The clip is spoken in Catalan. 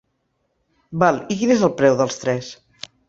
Val i quin és el preu dels tres?